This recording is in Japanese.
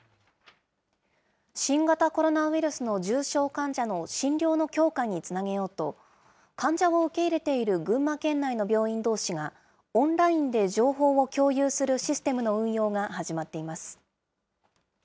新型コロナウイルスの重症患者の診療の強化につなげようと、患者を受け入れている群馬県内の病院どうしが、オンラインで情報を共有するシステムの運用が始まっています。